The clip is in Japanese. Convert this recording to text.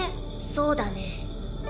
そうだね。